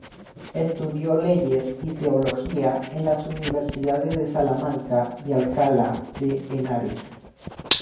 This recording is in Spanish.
Estudió Leyes y Teología en las Universidades de Salamanca y Alcalá de Henares.